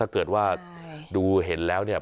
เกิดว่าดูเห็นแล้วเนี่ย